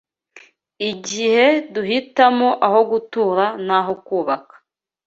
Igihe duhitamo aho gutura n’aho kubaka